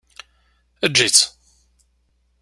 Eǧǧ-itt!